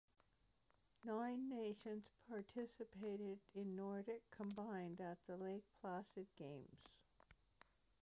Nine nations participated in Nordic combined at the Lake Placid Games.